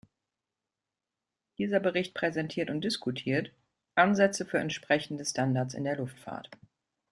Dieser Bericht präsentiert und diskutiert Ansätze für entsprechende Standards in der Luftfahrt.